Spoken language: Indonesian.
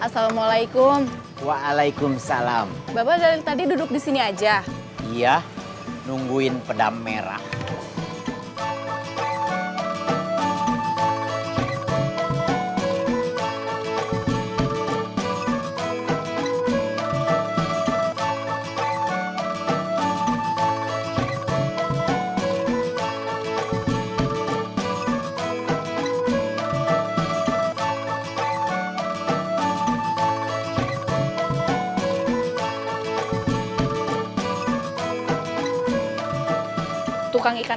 sampai jumpa di video selanjutnya